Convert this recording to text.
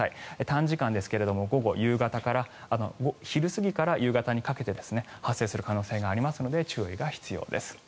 短時間ですが昼過ぎから夕方にかけて発生する可能性がありますので注意が必要です。